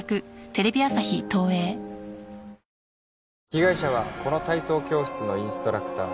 被害者はこの体操教室のインストラクター。